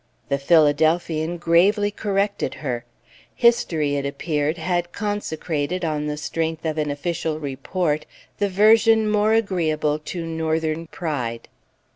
The Philadelphian gravely corrected her; history, it appeared, had consecrated, on the strength of an official report, the version more agreeable to Northern pride.